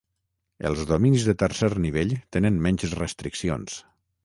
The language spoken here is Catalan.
Els dominis de tercer nivell tenen menys restriccions.